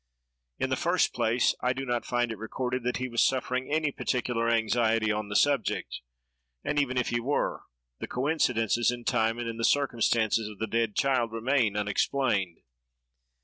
In the first place, I do not find it recorded that he was suffering any particular anxiety on the subject; and, even if he were, the coincidences in time and in the circumstance of the dead child remain unexplained.